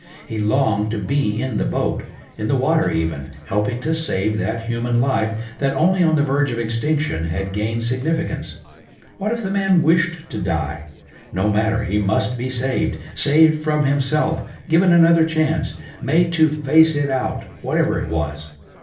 He longed to be in the boat, in the water even, helping to save that human life that only on the verge of extinction had gained significance. What if the man wished to die? No matter, he must be saved, saved from himself, given another chance, made to face it out, whatever it was.